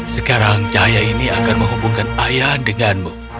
sekarang cahaya ini akan menghubungkan ayah denganmu